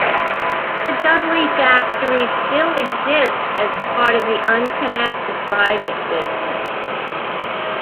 The Dudley factory still exists as part of an unconnected private business.